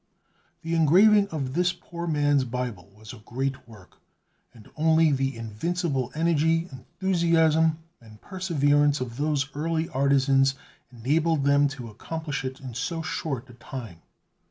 The engraving of this "Poor Man's Bible" was a great work; and only the invincible energy, enthusiasm, and perseverance of those early artisans enabled them to accomplish it in so short a time.